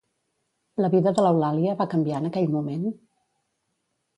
La vida de l'Eulàlia va canviar en aquell moment?